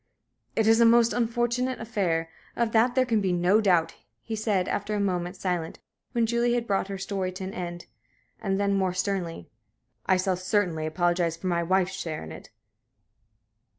"It is a most unfortunate affair, of that there can be no doubt," he said, after a moment's silence, when Julie had brought her story to an end; and then, more sternly, "I shall certainly apologize for my wife's share in it."